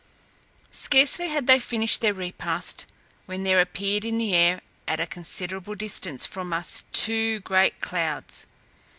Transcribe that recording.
Scarcely had they finished their repast, when there appeared in the air at a considerable distance from us two great clouds.